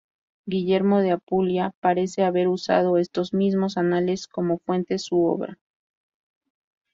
Guillermo de Apulia parece haber usado estos mismos anales como fuentes su obra.